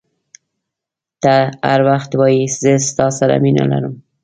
ته هر وخت وایي زه ستا سره مینه لرم.